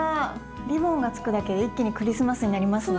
リボンがつくだけで一気にクリスマスになりますね。